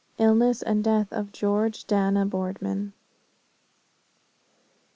ILLNESS AND DEATH OF GEORGE DANA BOARDMAN.